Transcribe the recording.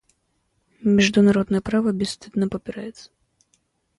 Международное право бесстыдно попирается.